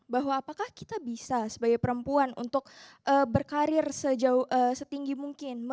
bahwa apakah kita bisa sebagai perempuan untuk berkarir setinggi mungkin